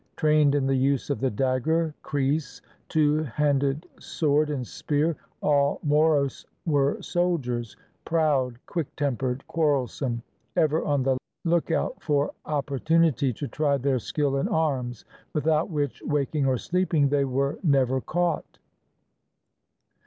Trained in the use of the dagger, kris, two handed sword and spear, all Moros were soldiers, proud, quick tem pered, quarrelsome, ever on the lookout for opportunity to try their skill in arms, without which, waking or sleeping, they were never caught.